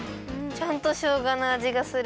ちゃんとしょうがのあじがする。